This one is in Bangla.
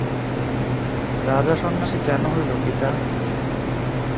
রাজা সন্ন্যাসী কেন হইল পিতা?